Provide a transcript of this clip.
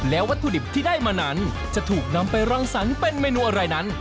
วัตถุดิบที่ได้มานั้นจะถูกนำไปรังสรรค์เป็นเมนูอะไรนั้น